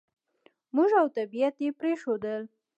موږ او طبعیت یې پرېښوول.